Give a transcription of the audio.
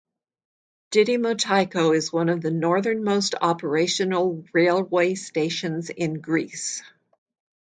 Didymoteicho is one of the northernmost operational railway stations in Greece.